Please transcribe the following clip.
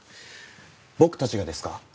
僕たちがですか？